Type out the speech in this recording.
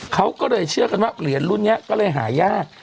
เขาก็เลยเชื่อกันว่าเหรียญรุ่นนี้ก็เลยหายาก